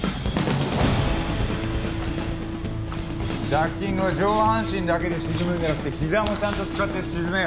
ダッキングは上半身だけで沈むんじゃなくてひざもちゃんと使って沈めよ。